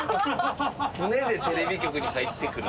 船でテレビ局に入ってくるっていう。